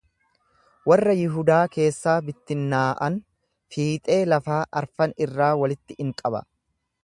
Warra Yihudaa keessaa bittinnaa'an fiixee lafaa arfan irraa walitti in qaba.